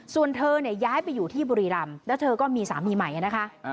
ส่วนเธอเนี่ยย้ายไปอยู่ที่บุรีรำแล้วเธอก็มีสามีใหม่นะคะ